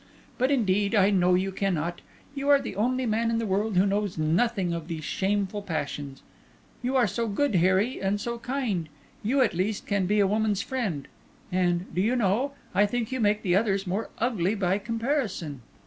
But, indeed, I know you cannot; you are the only man in the world who knows nothing of these shameful passions; you are so good, Harry, and so kind; you, at least, can be a woman's friend; and, do you know? I think you make the others more ugly by comparison."